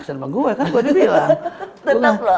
sama gue kan gue udah bilang tetep loh